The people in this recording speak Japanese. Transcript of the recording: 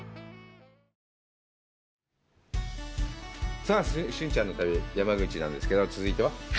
さあ俊ちゃんの旅、山口なんですけど、続いては？